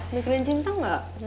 mikirin cinta gak